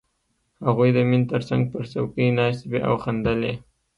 هغوی د مينې تر څنګ پر څوکۍ ناستې وې او خندلې